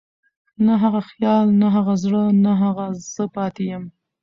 نه هغه خيال، نه هغه زړه، نه هغه زه پاتې يم